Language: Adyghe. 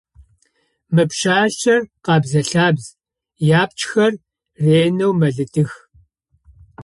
Мы пшъашъэр къэбзэ-лъабз, иапчхэр ренэу мэлыдых.